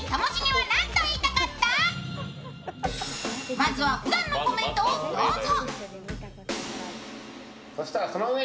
まずはふだんのコメントをどうぞ。